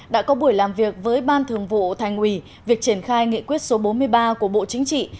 đã có buổi làm việc với ban thường vụ thành ủy việc triển khai nghị quyết số bốn mươi ba của bộ chính trị